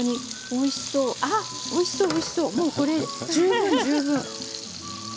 おいしそう、おいしそう。